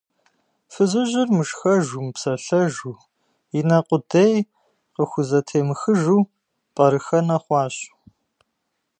Фызыжьыр мышхэжу, мыпсэлъэжу, и нэ къудей къыхузэтемыхыжу пӀэрыхэнэ хъуащ.